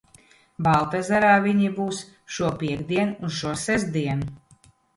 Baltezerā viņi būs šopiektdien un šosestdien.